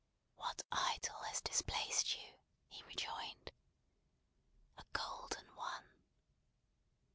"What Idol has displaced you?" he rejoined. "A golden one."